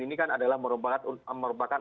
ini kan adalah merupakan